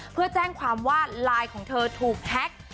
เพื่อแจ้งความว่าไลน์ของเธอถูกแฮ็ก